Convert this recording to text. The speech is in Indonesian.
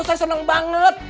saya seneng banget